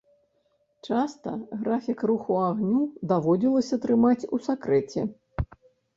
Часта графік руху агню даводзілася трымаць у сакрэце.